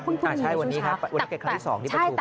คุณผู้ชมค่ะวันนี้ครั้งที่สองที่ประชุม